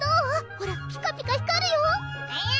ほらピカピカ光るよえる！